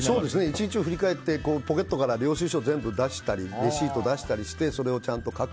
１日を振り返ってポケットから領収書を出したりレシート出したりしてそれをちゃんと。